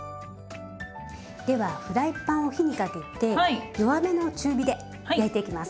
ではフライパンを火にかけて弱めの中火で焼いていきます。